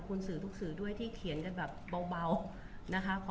บุ๋มประดาษดาก็มีคนมาให้กำลังใจเยอะ